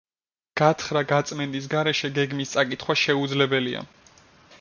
გათხრა-გაწმენდის გარეშე გეგმის წაკითხვა შეუძლებელია.